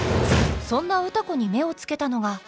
そんな歌子に目をつけたのが。